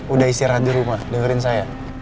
udah istirahat di rumah dengerin saya